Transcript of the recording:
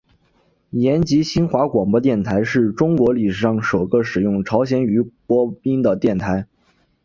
延吉新华广播电台是中国历史上首个使用朝鲜语播音的电台。